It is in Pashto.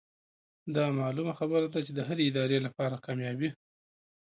دا معلومه خبره ده چې د هرې ادارې لپاره کاميابي